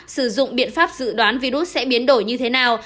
sử dụng biện pháp dự đoán virus sẽ biến đổi như thế nào